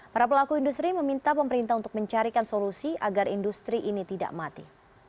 para pelaku industri meminta pemerintah untuk mencarikan solusi agar industri ini tidak mati